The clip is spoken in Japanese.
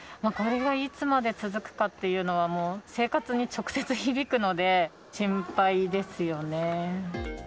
これがいつまで続くかっていうのは、もう生活に直接響くので、心配ですよね。